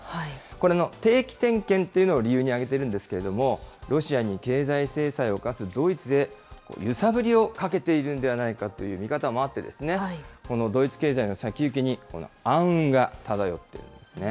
これの定期点検というのを理由に挙げてるんですけれども、ロシアに経済制裁を科すドイツへ、揺さぶりをかけているんではないかとの見方もあって、このドイツ経済の先行きに暗雲が漂っているんですね。